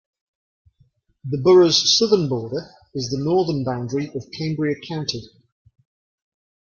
The borough's southern border is the northern boundary of Cambria County.